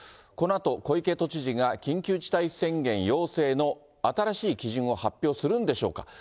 このあと、小池都知事が、緊急事態宣言要請の新しい基準を発表するんでしょうか。